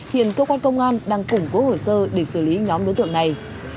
hiện cơ quan công an đang củng cố hồ sơ để xử lý nhóm đối tượng này